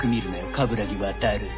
冠城亘！